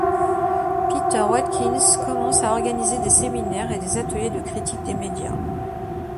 Peter Watkins commence à organiser des séminaires et des ateliers de critique des médias.